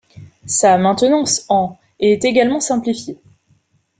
Sa maintenance en est également simplifiée.